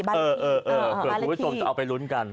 เผื่อคุณผู้ชมจะเอาไปลุ้นกัน